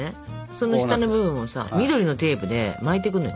その下部分をさ緑のテープで巻いてくのよ。